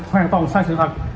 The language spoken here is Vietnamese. hoàn toàn sai sự thật